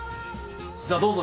じゃどうぞ。